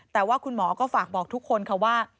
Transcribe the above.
แต่ว่าคุณหมอก็ฝากบอกทุกคนค่ะว่า